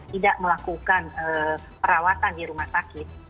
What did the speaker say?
tidak melakukan perawatan di rumah sakit